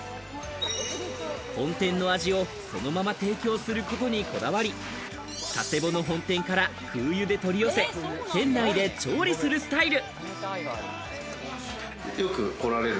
本店の味をそのまま提供することにこだわり、佐世保の本店から空輸で取り寄せ、店内で調理するスタイル。